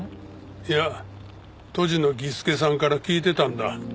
いや杜氏の儀助さんから聞いてたんだ。